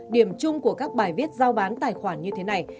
điểm chung của các bài viết giao bán tài khoản như thế này